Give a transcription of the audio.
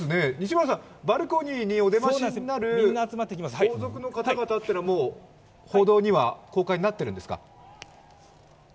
バルコニーにお出ましになる王族の方々というのはもう報道には公開になっているんですか？